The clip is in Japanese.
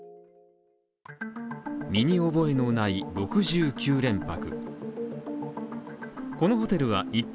身に覚えのない６９連泊。